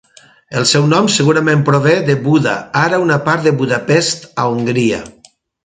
El seu nom segurament prové de Buda, ara una part de Budapest, a Hongria.